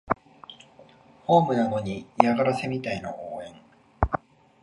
ホームなのに嫌がらせみたいな応援